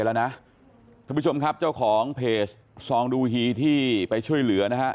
แล้วนะท่านผู้ชมครับเจ้าของเพจซองดูฮีที่ไปช่วยเหลือนะฮะ